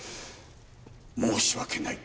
申し訳ない。